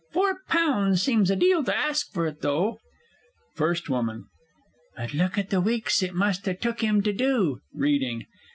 Four pounds seems a deal to ask for it, though. FIRST W. But look at the weeks it must ha' took him to do! (_Reading.